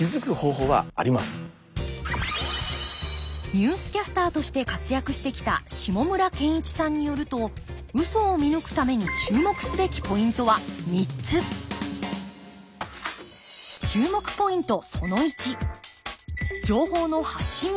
ニュースキャスターとして活躍してきた下村健一さんによるとウソを見抜くために注目すべきポイントは３つ注目ポイント